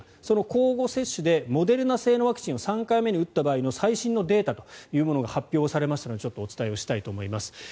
その交互接種でモデルナ製のワクチンを３回目に打った場合の最新のデータが発表されたのでちょっとお伝えします。